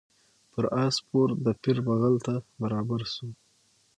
پر آس سپور د پیر بغل ته برابر سو